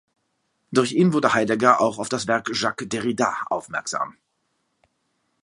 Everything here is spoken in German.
Durch ihn wurde Heidegger auch auf das Werk Jacques Derridas aufmerksam.